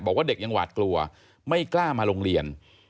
บอกว่าเด็กยังหวาดกลัวไม่กล้ามาโรงเรียน